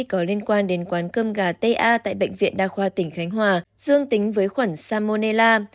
có liên quan đến quán cơm gà ta tại bệnh viện đa khoa tỉnh khánh hòa dương tính với khuẩn salmonella